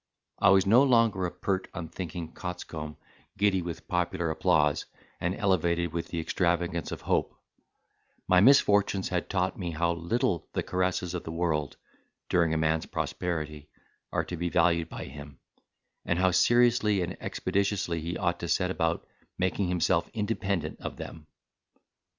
I was no longer a pert unthinking coxcomb, giddy with popular applause, and elevated with the extravagance of hope: my misfortunes had taught me how little the caresses of the world, during a man's prosperity, are to be valued by him; and how seriously and expeditiously he ought to set about making himself independent of them.